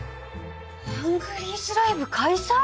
ハングリーズライブ開催？